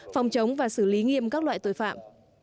phòng chống và xử lý nghiêm các loại tội phạm